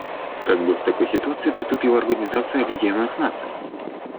Как бы в такой ситуации поступила Организация Объединенных Наций?